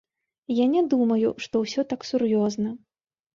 Я не думаю, што ўсё так сур'ёзна.